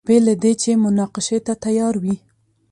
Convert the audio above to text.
بې له دې چې مناقشې ته تیار وي.